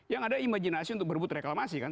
yang ada imajinasi untuk berbut reklamasi kan